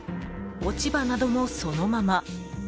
落ち葉などもそのまま。